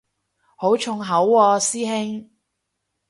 好重口喎師兄